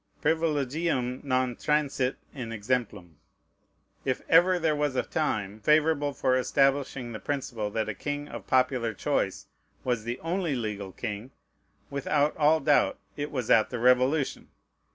Privilegium non transit in exemplum. If ever there was a time favorable for establishing the principle that a king of popular choice was the only legal king, without all doubt it was at the Revolution.